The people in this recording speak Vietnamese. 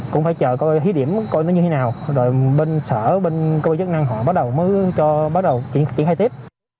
cũng phải chờ cái khí điểm coi nó như thế nào rồi bên sở bên cơ chức năng họ mới cho bắt đầu triển khai tiếp